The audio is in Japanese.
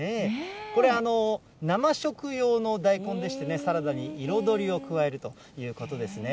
これ、生食用の大根でしてね、サラダに彩りを加えるということですね。